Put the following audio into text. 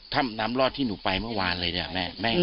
ถ้ำน้ำรอดที่หนูไปเมื่อวานเลยเนี่ยแม่